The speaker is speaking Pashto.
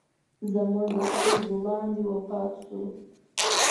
زموږ د سترګو وړاندې وفات سو.